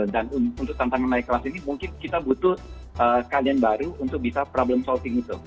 dan untuk tantangan naik kelas ini mungkin kita butuh kalian baru untuk bisa problem solving itu